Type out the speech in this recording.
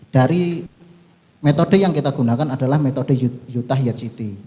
dari metode yang kita gunakan adalah metode yutah yatsiti